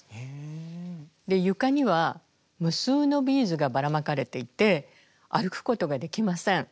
床には無数のビーズがばらまかれていて歩くことができません。